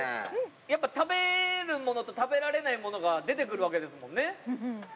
やっぱ食べるものと食べられないものが出てくるわけですもんね？